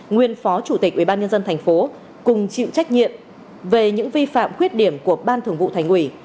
nguyên phó chủ tịch ubnd tp cùng chịu trách nhiệm về những vi phạm khuyết điểm của ban thường vụ thành ủy